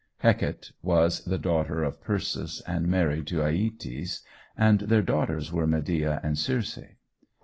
Hecate was the daughter of Perses and married to Æëtes, and their daughters were Medea and Circe.